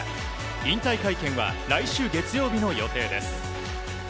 引退会見は来週月曜日の予定です。